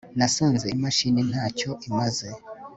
Nasanze imashini ntacyo imaze